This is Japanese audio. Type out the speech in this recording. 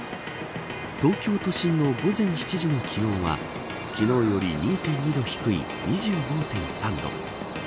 東京都心の午前７時の気温は昨日より２．２度低い２５．３度。